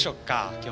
今日。